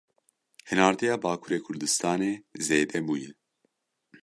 Hinardeya Bakurê Kurdistanê zêde bûye.